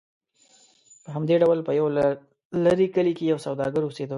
په همدې ډول په یو لرې کلي کې یو سوداګر اوسېده.